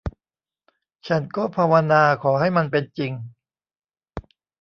ฉันก็ภาวนาขอให้มันเป็นจริง